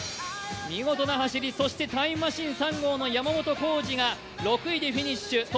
見事な走りそしてタイムマシーン３号の山本浩司が６位でフィニッシュ。